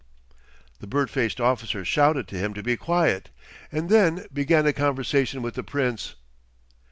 The bird faced officer shouted to him to be quiet, and then began a conversation with the Prince.